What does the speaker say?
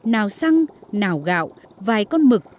nào xăng nào gạo vài con mực